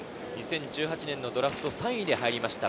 ２０１８年のドラフト３位で入りました。